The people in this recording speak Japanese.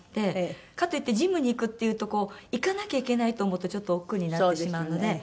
かといってジムに行くっていうと行かなきゃいけないと思ってちょっとおっくうになってしまうので。